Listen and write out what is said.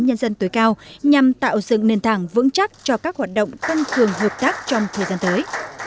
nhân dân tối cao nhằm tạo dựng nền thẳng vững chắc cho các hoạt động tăng cường hợp tác trong thời gian tới